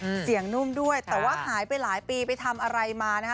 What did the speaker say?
เสียงนุ่มด้วยแต่ว่าหายไปหลายปีไปทำอะไรมานะคะ